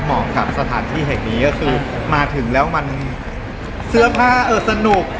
เหมาะกับสถานที่แห่งนี้ก็คือมาถึงแล้วมันเสื้อผ้าเออสนุก